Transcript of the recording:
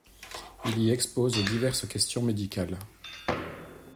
Il y expose diverses questions médicales.